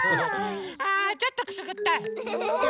あちょっとくすぐったい。